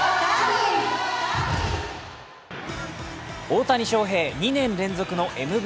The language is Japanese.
大谷翔平、２年連続のＭＶＰへ。